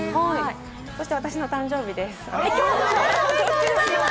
そして私の誕生日です。